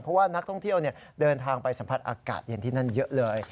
เพราะว่านักท่องเที่ยวเดินทางไปสัมผัสอากาศเย็นที่นั่นเยอะเลย